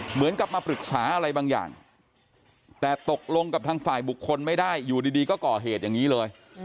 เหมือนกับมาปรึกษาอะไรบางอย่างแต่ตกลงกับทางฝ่ายบุคคลไม่ได้อยู่ดีก็ก่อเหตุอย่างนี้เลย